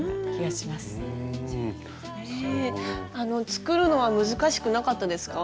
作るのは難しくなかったですか？